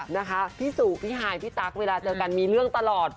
นะคะพี่สู่พี่ฮายพี่ตั๊กเวลาเจอกันมีเรื่องตลอด